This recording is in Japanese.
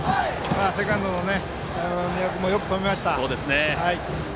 セカンドの宮尾君よく止めましたね。